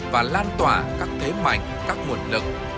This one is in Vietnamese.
và lan tỏa các thế mạnh các nguồn lực